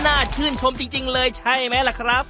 น่าชื่นชมจริงเลยใช่ไหมล่ะครับ